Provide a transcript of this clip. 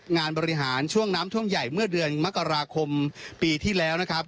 งานบริหารช่วงน้ำท่วมใหญ่เมื่อเดือนมกราคมปีที่แล้วนะครับ